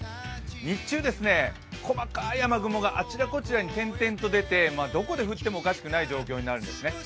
日中、細かい雨雲があちらこちらに点々と出てどこで降ってもおかしくない状況になるんですね。